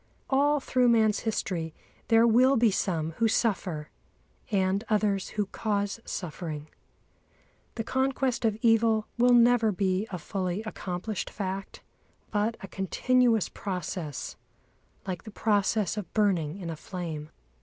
All through man's history there will be some who suffer, and others who cause suffering. The conquest of evil will never be a fully accomplished fact, but a continuous process like the process of burning in a flame.